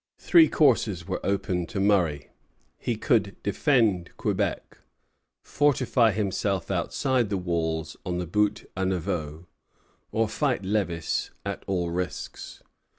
Three courses were open to Murray. He could defend Quebec, fortify himself outside the walls on the Buttes à Neveu, or fight Lévis at all risks.